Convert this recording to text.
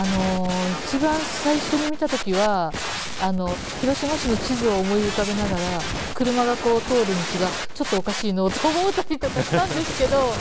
一番最初に見た時は広島市の地図を思い浮かべながら車が通る道がちょっとおかしいのうと思うたりとかしたんですけど